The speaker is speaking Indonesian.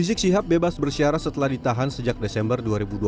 rizik sihab bebas bersyarat setelah ditahan sejak desember dua ribu dua puluh